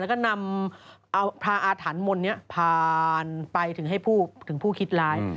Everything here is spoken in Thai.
แล้วก็นำพาอาถรรมนตร์นี้ผ่านไปถึงให้ผู้คิดร้าย